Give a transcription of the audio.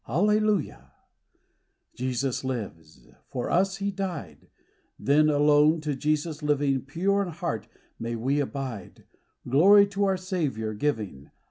Alleluia ! Jesus lives : for us He died : Then, alone to Jesus living, Pure in heart may we abide, Glory to our Saviour giving.